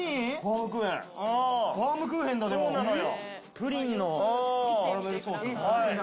プリンのカラメルソースかな。